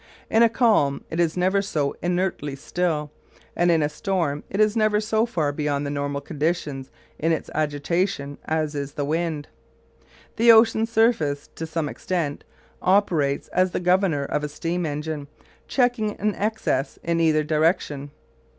In a calm it is never so inertly still, and in a storm it is never so far beyond the normal condition in its agitation as is the wind. The ocean surface to some extent operates as the governor of a steam engine, checking an excess in either direction.